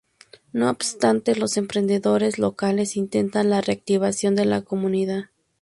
No obstante los emprendedores locales intentan la reactivación de la comunidad.